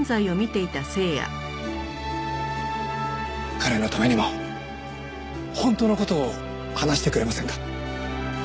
彼のためにも本当の事を話してくれませんか？